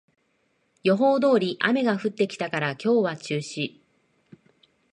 予報通り雨が降ってきたから今日は中止